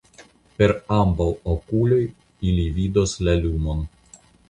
Per ambaŭ okuloj ili vidos la lumon.